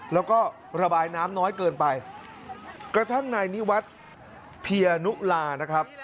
แล้วก็ระบายน้ำน้อยเกินไปกระทั่งนายนิวัฒน์เพียนุลานะครับ